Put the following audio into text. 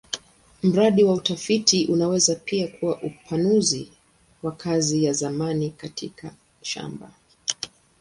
Mradi wa utafiti unaweza pia kuwa upanuzi wa kazi ya zamani katika shamba.